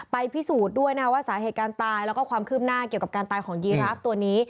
พิสูจน์ด้วยนะว่าสาเหตุการณ์ตายแล้วก็ความคืบหน้าเกี่ยวกับการตายของยีราฟตัวนี้